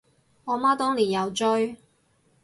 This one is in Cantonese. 我媽當年有追